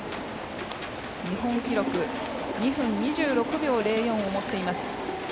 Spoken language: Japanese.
日本記録２分２６秒０４を持っています。